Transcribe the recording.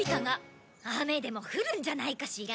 雨でも降るんじゃないかしら？